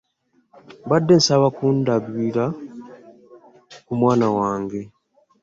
Mbadde nsaba kundabira ku mwana wange.